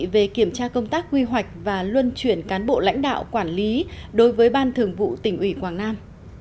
về kiểm tra công tác quy hoạch và luân chuyển cán bộ lãnh đạo quản lý đối với ban thường vụ tỉnh ủy quảng nam